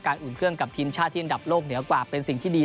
อุ่นเครื่องกับทีมชาติที่อันดับโลกเหนือกว่าเป็นสิ่งที่ดี